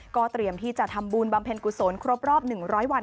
ก็เตรียมที่จะทำบุญบำเพ็ญกุศลครบรอบ๑๐๐วัน